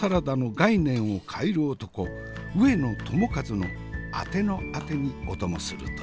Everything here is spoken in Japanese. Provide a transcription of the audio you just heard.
上野友和のあてのあてにお供するとしよう。